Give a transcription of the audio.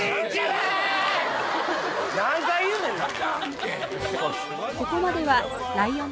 何回言うねんな！